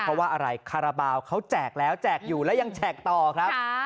เพราะว่าอะไรคาราบาลเขาแจกแล้วแจกอยู่แล้วยังแจกต่อครับ